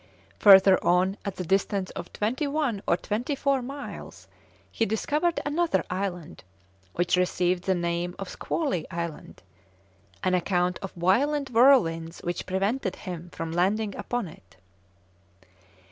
Further on at the distance of twenty one or twenty four miles, he discovered another island, which received the name of Squally Island, on account of violent whirlwinds which prevented him from landing upon it.